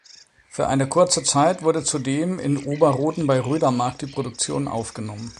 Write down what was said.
Für eine kurze Zeit wurde zudem in Ober-Roden bei Rödermark die Produktion aufgenommen.